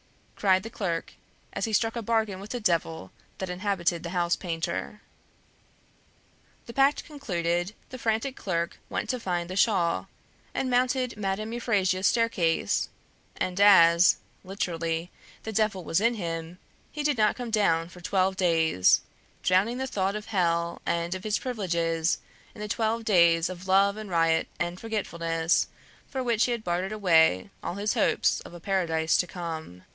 cried the clerk, as he struck a bargain with the devil that inhabited the house painter. The pact concluded, the frantic clerk went to find the shawl, and mounted Madame Euphrasia's staircase; and as (literally) the devil was in him, he did not come down for twelve days, drowning the thought of hell and of his privileges in twelve days of love and riot and forgetfulness, for which he had bartered away all his hopes of a paradise to come.